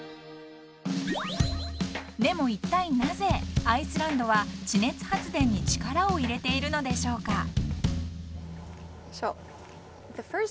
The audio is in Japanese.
［でもいったいなぜアイスランドは地熱発電に力を入れているのでしょうか］